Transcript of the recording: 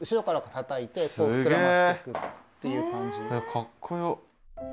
かっこよ。